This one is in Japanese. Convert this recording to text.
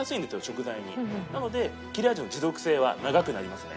なので切れ味の持続性は長くなりますね。